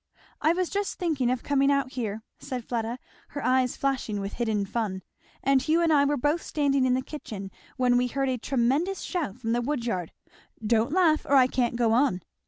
"I was just thinking of coming out here," said Fleda, her eyes flashing with hidden fun, "and Hugh and I were both standing in the kitchen, when we heard a tremendous shout from the woodyard. Don't laugh, or I can't go on.